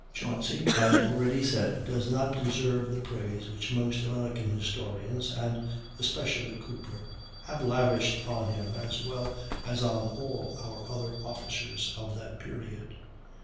Chauncy, as already said, does not deserve the praise which most American historians, and especially Cooper, have lavished on him as well as on all our other officers of that period.